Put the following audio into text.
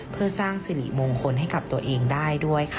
เพื่อสร้างสิริมงคลให้กับตัวเองได้ด้วยค่ะ